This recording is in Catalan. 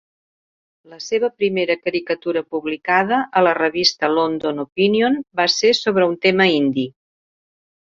La seva primera caricatura publicada, a la revista "London Opinion", va ser sobre un tema indi.